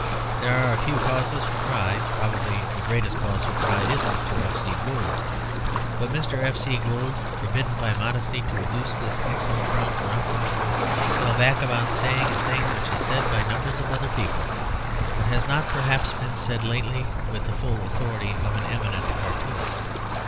There are few causes for pride; probably the greatest cause for pride is Mr. F. C. Gould. But Mr. F. C. Gould, forbidden by modesty to adduce this excellent ground for optimism, fell back upon saying a thing which is said by numbers of other people, but has not perhaps been said lately with the full authority of an eminent cartoonist.